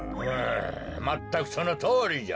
まったくそのとおりじゃ。